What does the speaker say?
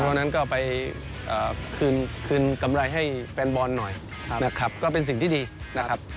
เพราะฉะนั้นก็ไปคืนกำไรให้แฟนบอลหน่อยนะครับก็เป็นสิ่งที่ดีนะครับ